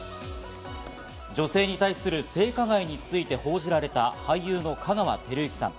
女性に対する性加害について報じられた俳優の香川照之さん。